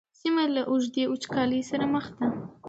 سیمه له اوږدې وچکالۍ سره مخ ده.